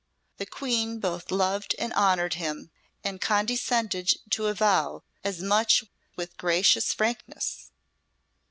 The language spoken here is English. The Queen both loved and honoured him, and condescended to avow as much with gracious frankness.